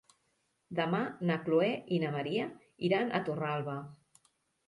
Demà na Chloé i na Maria iran a Torralba.